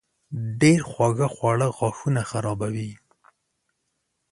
ډېر خواږه خواړه غاښونه خرابوي.